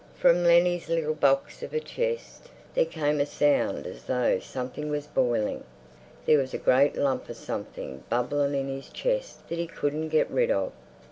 From Lennie's little box of a chest there came a sound as though something was boiling. There was a great lump of something bubbling in his chest that he couldn't get rid of.